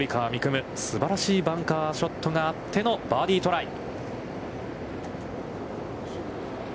夢、すばらしいバンカーショットがあってのバーディートライ。